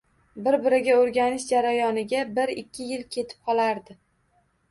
Bir-biriga oʻrganish jarayoniga bir-ikki yil ketib qolardi